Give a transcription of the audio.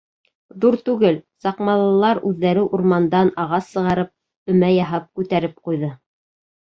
Ҙур түгел, саҡмалылар үҙҙәре урмандан ағас сығарып, өмә яһап күтәреп ҡуйҙы.